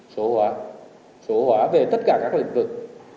sổ hóa về tất cả các lĩnh vực